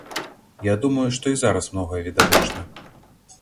Я думаю, што і зараз многае відавочна.